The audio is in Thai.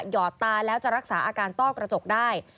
อดตาแล้วจะรักษาอาการต้อกระจกได้